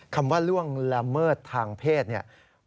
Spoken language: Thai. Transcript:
คำว่าล่วงละเมิดทางเพศเนี่ย